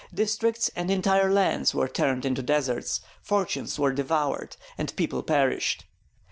Districts and entire lands were turned into deserts, fortunes were devoured, and people perished.